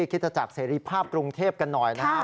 คิดจะจัดเศรษฐ์ภาพกรุงเทพกันหน่อยนะครับ